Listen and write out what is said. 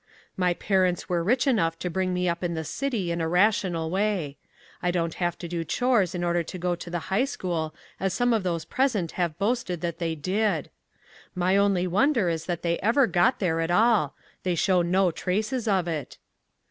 My parents were rich enough to bring me up in the city in a rational way. I didn't have to do chores in order to go to the high school as some of those present have boasted that they did. My only wonder is that they ever got there at all. They show no traces of it.